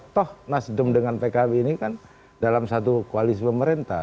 toh nasdem dengan pkb ini kan dalam satu koalisi pemerintah